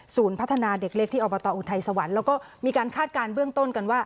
พัฒนาเด็กเล็กที่อบตอุทัยสวรรค์แล้วก็มีการคาดการณ์เบื้องต้นกันว่า